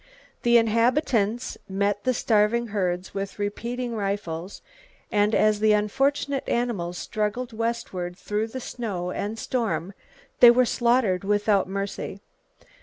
The inhabitants met the starving herds with repeating rifles, and as the unfortunate animals struggled westward through the snow and storm, they were slaughtered without mercy.